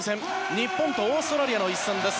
日本とオーストラリアの一戦です。